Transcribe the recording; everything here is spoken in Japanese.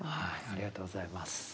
ありがとうございます。